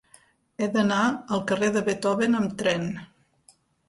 He d'anar al carrer de Beethoven amb tren.